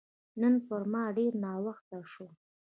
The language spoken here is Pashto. نن پر ما ډېر ناوخته شو